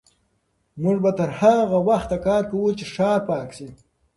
موږ به تر هغه وخته کار کوو چې ښار پاک شي.